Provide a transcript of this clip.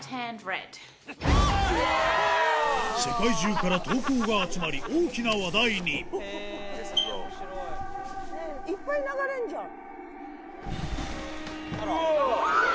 世界中から投稿が集まり大きな話題にいっぱい流れるじゃん。